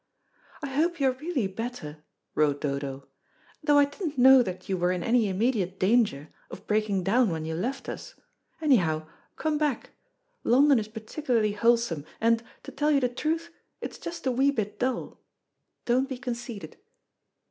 "I hope you are really better," wrote Dodo, "though I didn't know that you were in any immediate danger of breaking down when you left us. Anyhow, come back. London is particularly wholesome, and, to tell you the truth, it's just a wee bit dull. Don't be conceited."